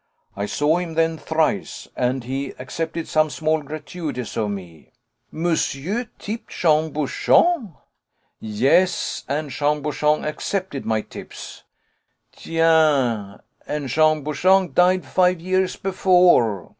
I saw him then thrice, and he accepted some small gratuities of me." "Monsieur tipped Jean Bouchon?" "Yes, and Jean Bouchon accepted my tips." "Tiens, and Jean Bouchon died five years before."